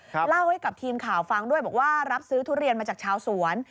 เล่าให้กับทีมข่าวฟังด้วยบอกว่ารับซื้อทุเรียนมาจากชาวสวน